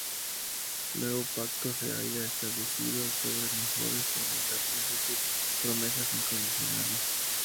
El Nuevo Pacto se halla establecido sobre "mejores" promesas, es decir, promesas incondicionales.